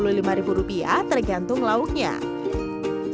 selain harganya yang murah nasi aron ternyata membuat kenyang tahan lama